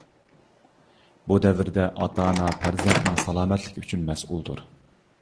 بۇ دەۋردە ئاتا-ئانا پەرزەنتنىڭ سالامەتلىكى ئۈچۈن مەسئۇلدۇر.